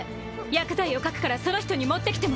薬剤を書くからその人に持ってきてもらって。